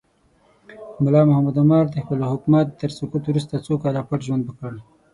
ملا محمد عمر د خپل حکومت تر سقوط وروسته څو کاله پټ ژوند وکړ.